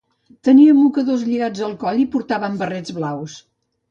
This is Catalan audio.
Tenien mocadors lligats al coll i portaven barrets blaus.